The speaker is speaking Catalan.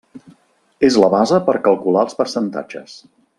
És la base per calcular els percentatges.